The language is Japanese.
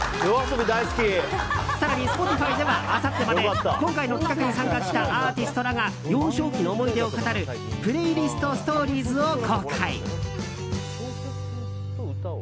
更に、Ｓｐｏｔｉｆｙではあさってまで今回の企画に参加したアーティストらが幼少期の思い出を語るＰｌａｙｌｉｓｔＳｔｏｒｉｅｓを公開。